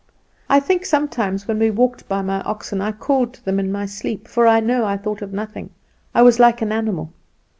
I think sometimes when I walked by my oxen I called to them in my sleep, for I know I thought of nothing; I was like an animal.